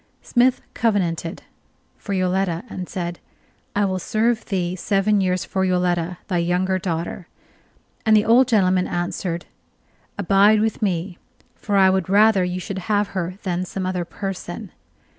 Smith covenanted! for Yoletta, and said: "I will serve thee seven years for Yoletta, thy younger daughter"; and the old gentleman answered: "Abide with me, for I would rather you should have her than some other person."